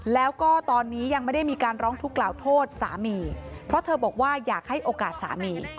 แล้วก็ตอนนี้ยังไม่ได้มีการร้องทุกข์กล่าวโทษสามีเพราะเธอบอกว่าอยากให้โอกาสสามี